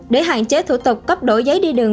để hạn chế thủ tục cấp đổi giấy đi đường